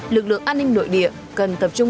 lực lượng an ninh nội địa cần tập trung